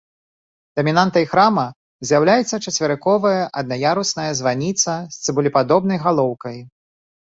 Дамінантай храма з'яўляецца чацверыковая аднаярусная званіца з цыбулепадобнай галоўкай.